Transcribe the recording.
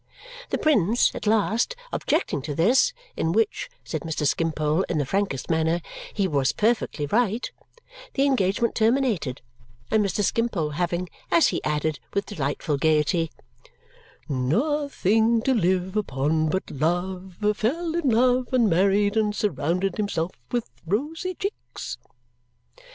The prince, at last, objecting to this, "in which," said Mr. Skimpole, in the frankest manner, "he was perfectly right," the engagement terminated, and Mr. Skimpole having (as he added with delightful gaiety) "nothing to live upon but love, fell in love, and married, and surrounded himself with rosy cheeks."